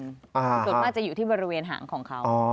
ส่วนมากจะอยู่ที่บริเวณหางของเขา